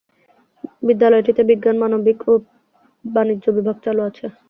বিদ্যালয়টিতে বিজ্ঞান, মানবিক ও বাণিজ্য বিভাগ চালু আছে।